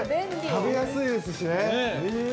◆食べやすいですしね。